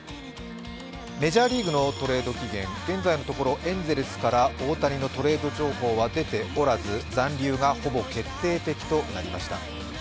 メジャーリーグのトレード期限、現在のところ、エンゼルスから大谷のトレード情報は出ておらず残留がほぼ決定的となりました。